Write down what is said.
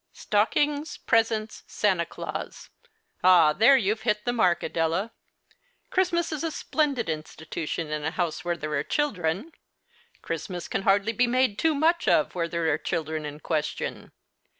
Stockings, presents, Santa Claus ! Ah, there you've hit the mark, Adela. Christmas is a splendid institution in a house where there are children. Christmas can hardly be made too much of \Nhere tliere are children in question.